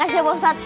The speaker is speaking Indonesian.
makasih ya bostad